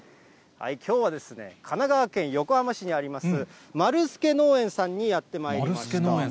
きょうは神奈川県横浜市にあります、マル助農園さんにやってまいりました。